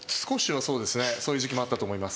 そういう時期もあったと思います。